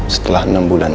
setelah enam bulan